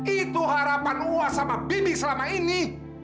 itu harapan wa sama bibi selama ini